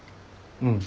うん。